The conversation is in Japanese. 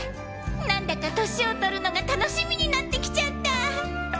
何だか年をとるのが楽しみになってきちゃった！